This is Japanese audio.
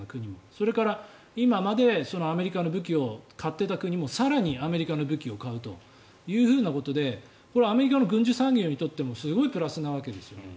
それから、今までアメリカの武器を買っていた国も更にアメリカの武器を買うということでこれはアメリカの軍需産業にとってもすごいプラスなわけですよ。